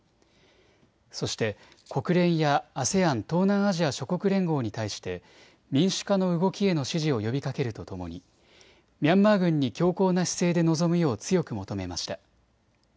そして国連やＡＳＥＡＮ・東南アジア諸国連合に対して民主化の動きへの支持を呼びかけるとともにミャンマー軍に強硬な姿勢で臨むよう強く求めました。